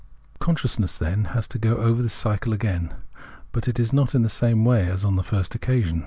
Consciousness, then, has to go over this cycle again, but not in the same way as on the first occasion.